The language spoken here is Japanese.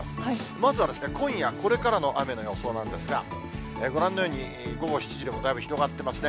まずは今夜これからの雨の予想なんですが、ご覧のように、午後７時でもだいぶ広がってますね。